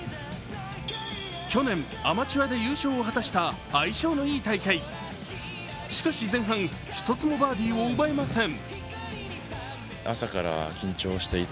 去年、アマチュアで優勝を果たした相性のいい大会、しかし前半、一つもバーディーを奪えません。